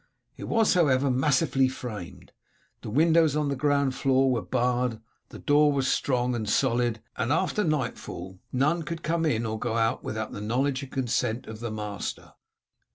It was, however, massively framed, the windows on the ground floor were barred, the door was strong and solid, and after nightfall none could come in or go out without the knowledge and consent of the master.